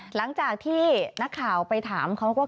หลังจากที่นักข่าวไปถามเขาก็